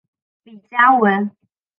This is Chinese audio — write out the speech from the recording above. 李嘉文。